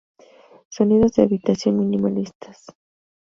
Sonidos de habitación minimalistas.